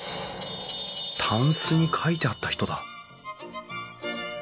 たんすに書いてあった人だ！